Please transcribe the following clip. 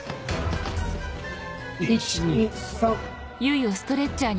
１・２・３。